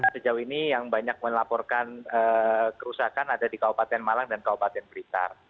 sejauh ini yang banyak melaporkan kerusakan ada di kabupaten malang dan kabupaten blitar